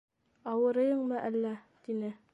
Ауырыйыңмы әллә? - тине.